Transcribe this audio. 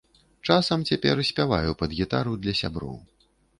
Часам цяпер спяваю пад гітару для сяброў.